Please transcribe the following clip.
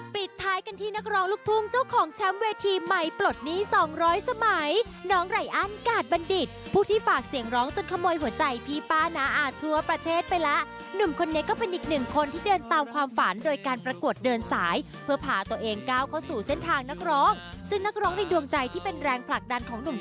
เพื่อให้พี่ต่ายได้แทบใจในฐานะแฟนคลับคนหนึ่งว่า